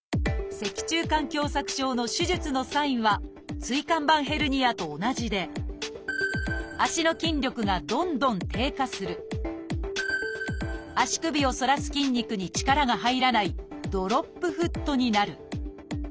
脊柱管狭窄症の手術のサインは椎間板ヘルニアと同じで「足の筋力がどんどん低下する」「足首を反らす筋肉に力が入らないドロップフットになる」